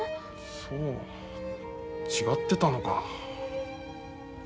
そう違ってたのか。